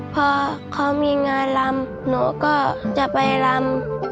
พอเขามีงานลำหนูก็จะไปลำ